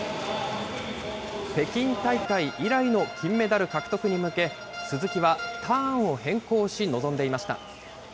北京大会以来の金メダル獲得に向け、鈴木はターンを変更し、臨んでいました。